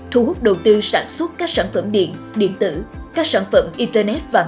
thu hút đầu tư sản xuất các sản phẩm điện điện tử các sản phẩm internet vạn vật